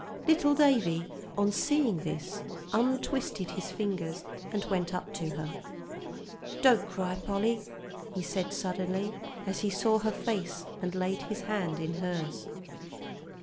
Little Davie, on seeing this, untwisted his fingers and went up to her. "Don't cry, Polly," he said suddenly, as he saw her face, and laid his hand in hers.